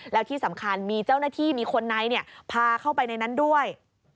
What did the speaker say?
แล้วที่สำคัญมีเจ้าหน้าที่มีคนในพาเข้าไปในนั้นด้วย